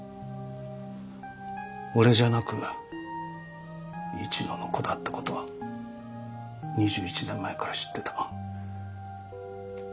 俺じゃなく市野の子だって事は２１年前から知ってた。